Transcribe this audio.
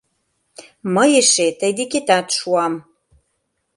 — Мый эше тый декетат шуам!